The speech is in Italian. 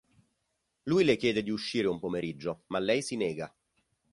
Lui le chiede di uscire un pomeriggio ma lei si nega.